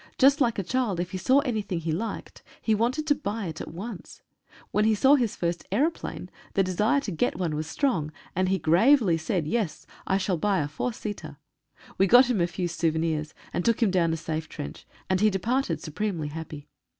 Just like a child, if he saw anything he liked he wanted to buy it at once. When he saw his first aeroplane the desire to get one was strong, and he gravely said, "Yes I shall buy a four seater!" We got him a few souvenirs, and took him down a safe trench, and he departed supremely happy.